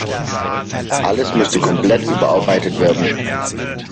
Alles müsste komplett überarbeitet werden.